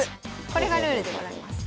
これがルールでございます。